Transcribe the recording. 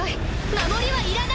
守りはいらない！